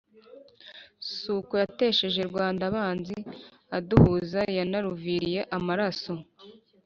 s’uko yatesheje rwanda abanzi aduhuza, yanaruviriye amaraso